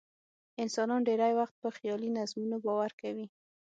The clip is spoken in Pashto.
انسانان ډېری وخت په خیالي نظمونو باور کوي.